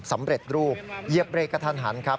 สำเร็จรูปเหยียบเบรกกระทันหันครับ